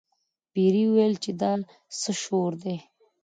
پیري وویل چې دا څه شور دی.